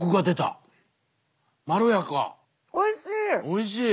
おいしい！